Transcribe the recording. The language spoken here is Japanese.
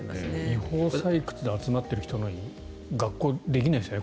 違法採掘で集まっている人で学校はできないですよね。